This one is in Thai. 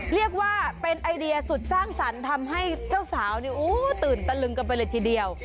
เรียกว่าเป็นไอเดียสุดสร้างสรรค์ทำให้เจ้าสาวตื่นตะลึงกันไปเลยทีเดียว